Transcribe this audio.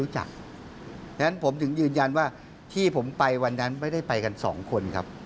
เพราะฉะนั้นผมถึงยืนยันว่าที่ผมไปวันนั้นไม่ได้ไปกันสองคนครับ